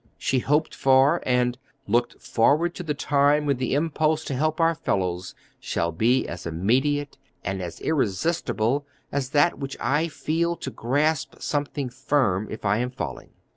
She hoped for and "looked forward to the time when the impulse to help our fellows shall be as immediate and as irresistible as that which I feel to grasp something firm if I am falling."